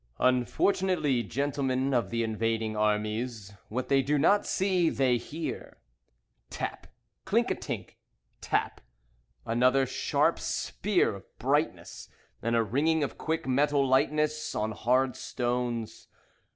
Unfortunately, Gentlemen of the Invading Armies, what they do not see, they hear. Tap! Clink a tink! Tap! Another sharp spear Of brightness, And a ringing of quick metal lightness On hard stones.